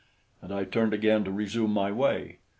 And I turned again to resume my way.